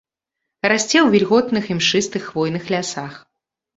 Расце ў вільготных імшыстых хвойных лясах.